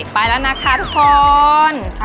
ไปละนะคะทุกคน